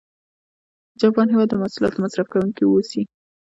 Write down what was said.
د جاپان هېواد د محصولاتو مصرف کوونکي و اوسي.